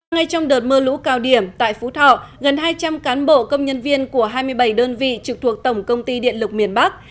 ngay trong đợt mưa lũ cao điểm tại phú thọ gần hai trăm linh cán bộ công nhân viên của hai mươi bảy đơn vị trực thuộc tổng công ty điện lực miền bắc